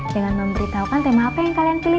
dengan memberitahukan tema apa yang kalian pilih